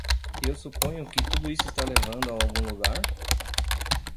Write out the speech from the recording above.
Eu suponho que tudo isso está levando a algum lugar?